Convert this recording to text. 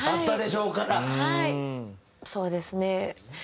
そうですね。